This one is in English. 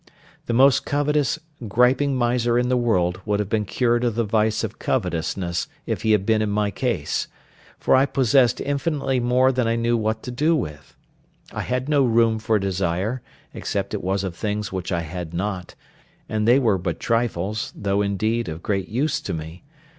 The most covetous, griping miser in the world would have been cured of the vice of covetousness if he had been in my case; for I possessed infinitely more than I knew what to do with. I had no room for desire, except it was of things which I had not, and they were but trifles, though, indeed, of great use to me.